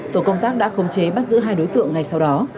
tổ công tác đã khống chế bắt giữ hai đối tượng ngay sau đó